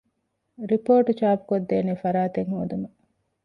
ރިޕޯޓު ޗާޕުކޮށްދޭނެ ފަރާތެއް ހޯދުމަށް